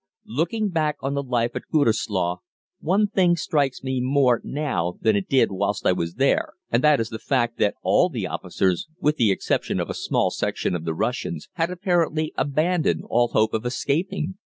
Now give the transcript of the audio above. Looking back on the life at Gütersloh, one thing strikes me more now than it did whilst I was there, and that is the fact that all the officers, with the exception of a small section of the Russians, had apparently abandoned all hope of escaping.